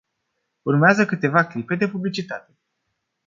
Urmează câteva clipe de publicitate.